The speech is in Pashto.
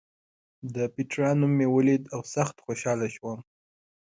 د پېټرا نوم مې ولید او سخت خوشاله شوم.